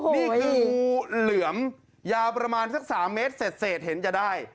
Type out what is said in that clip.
นี่คืองูเหลือมยาวประมาณสัก๓เมตรเศษเห็นจะได้